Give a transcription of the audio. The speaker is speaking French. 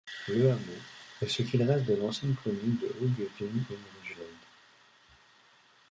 Le hameau est ce qu'il reste de l'ancienne commune de Hoogeveen-in-Rijnland.